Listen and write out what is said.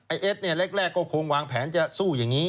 เอสเนี่ยแรกก็คงวางแผนจะสู้อย่างนี้